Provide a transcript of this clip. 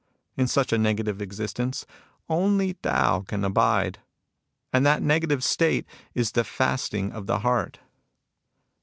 In such a negative existence, only Tao can abide. And that negative state is the fasting of the heart."